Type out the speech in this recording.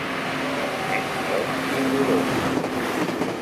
Els nens són horrorosos.